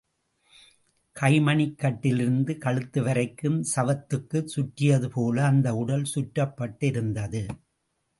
கைமணிக் கட்டிலிருந்து கழுத்து வரைக்கும், சவத்துக்குச் சுற்றியதுபோல அந்த உடல் சுற்றப்பட்டிருந்தது.